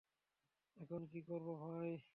এখন কি করব, ভাই?